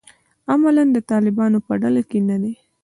عملاً د طالبانو په ډله کې نه دي.